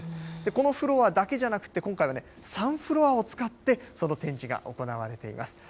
このフロアだけじゃなくて、今回は３フロアを使って、その展示が行われています。